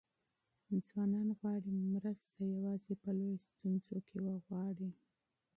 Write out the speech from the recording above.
ځوانان غواړي مرسته یوازې په لویو ستونزو کې وغواړي.